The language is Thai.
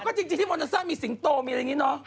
ก็จริงที่โมเนอร์ซ่ามีสิงโตมีอะไรอย่างนี้เนอะ